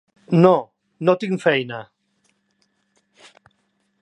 No, no tinc feina.